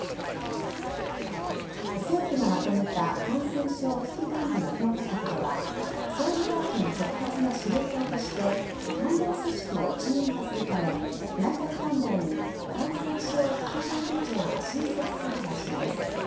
政府がまとめた感染症危機管理の強化策では総理大臣直轄の司令塔として関連組織を一元化するため内閣官房に感染症危機管理庁を新設する方針です。